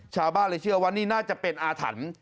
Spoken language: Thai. ชาวบ้านเลยเชื่อว่านี่น่าจะเป็นอาถรรพ์